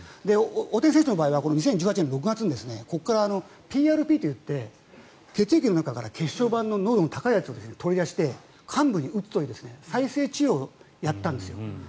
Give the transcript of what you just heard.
大谷選手の場合は２０１８年６月にここから、血液の中から血小板の濃度の高いやつを取り出して、患部に打つという再生治療をやったんです。